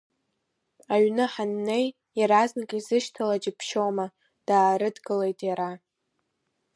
Аҩны ҳаннеи, иаразнак изышьҭала џьыбшьома, даарыдгылеит иара.